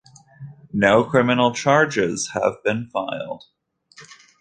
No criminal charges have been filed.